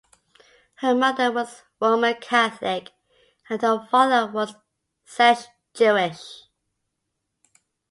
Her mother was Roman Catholic, and her father was Czech Jewish.